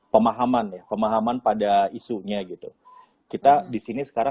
pemahaman ya pemahaman pada isunya gitu kita disini sekarang